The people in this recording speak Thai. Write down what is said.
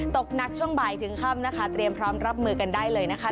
ตกหนักช่วงบ่ายถึงค่ำนะคะเตรียมพร้อมรับมือกันได้เลยนะคะ